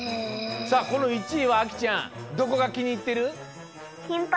さあこの１位はあきちゃんどこがきにいってる？